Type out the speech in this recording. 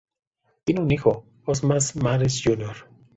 Tiene un hijo, Osmar Mares Jr.